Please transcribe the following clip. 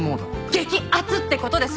激アツって事です。